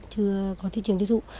chưa có thị trường thí dụ